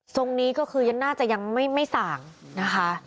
ทรงนี้ก็คือยังน่าจะยังไม่ส่างนะคะ